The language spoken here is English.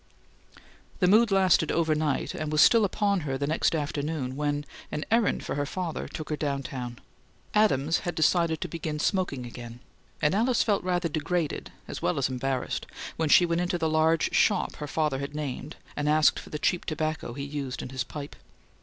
The mood lasted overnight; and was still upon her the next afternoon when an errand for her father took her down town. Adams had decided to begin smoking again, and Alice felt rather degraded, as well as embarrassed, when she went into the large shop her father had named, and asked for the cheap tobacco he used in his pipe.